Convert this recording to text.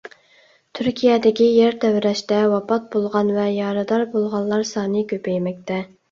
تۈركىيەدىكى يەر تەۋرەشتە ۋاپات بولغان ۋە يارىدار بولغانلار سانى كۆپەيمەكتە.